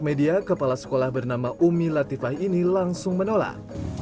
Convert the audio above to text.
media kepala sekolah bernama umi latifah ini langsung menolak